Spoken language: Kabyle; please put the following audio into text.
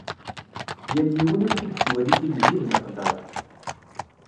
Yal yiwen amek i yettwali tilelli d leqder.